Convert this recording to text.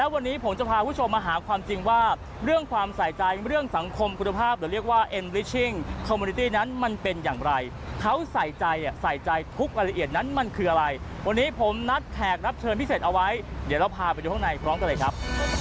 วันนี้ผมนัดแทกรับเชิญพิเศษเอาไว้เดี๋ยวเราพาไปอยู่ข้างในพร้อมกันเลยครับ